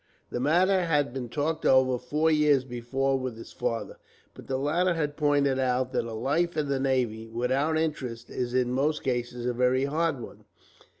The matter had been talked over four years before, with his father; but the latter had pointed out that a life in the navy, without interest, is in most cases a very hard one.